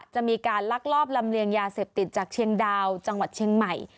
จะมีการลักลอบลำเลียงยาเสพติดจากเชียงดาวจังหวัดเชียงใหม่